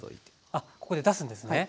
あっここで出すんですね。